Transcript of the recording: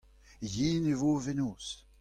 Yen e vo fenoz.